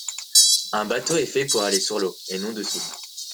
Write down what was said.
Un bateau est fait pour aller sur l’eau et non dessous